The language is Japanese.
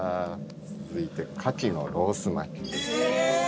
続いてカキのロース巻きです。